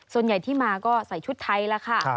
ส่วนใหญ่ที่มาก็ใส่ชุดไทยแล้วค่ะ